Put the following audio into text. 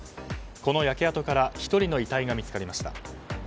この焼け跡から１人の遺体が見つかりました。